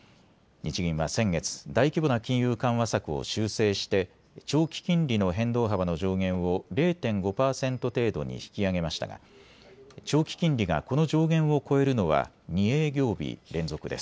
日銀は先月、大規模な金融緩和策を修正して長期金利の変動幅の上限を０．５％程度に引き上げましたが長期金利がこの上限を超えるのは２営業日連続です。